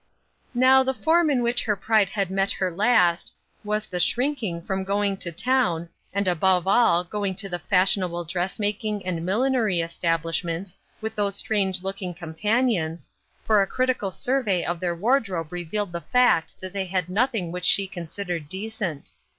Now the form in which her pride had met her last, was the slirinking from going to town, and above all, going to the fashionable dressmaking and millinery establishments with those strange looking companions, for a critical survey of their wardrobe revealed the fact that they had nothing which she considered decent.